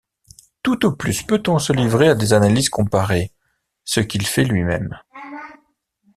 Tout au plus peut-on se livrer à des analyses comparées, ce qu'il fait lui-même.